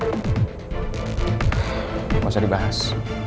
gak usah dibahas